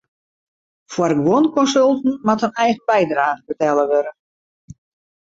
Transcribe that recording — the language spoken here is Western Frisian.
Foar guon konsulten moat in eigen bydrage betelle wurde.